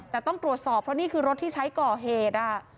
แต่ต้องตรวจสอบเพราะนี่คือรถที่ใช้ก่อเหตุ